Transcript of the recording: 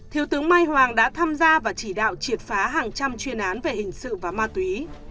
thiếu tướng mai hoàng đã tham gia và chỉ đạo triệt phá hàng trăm chuyên án về hình sự và ma túy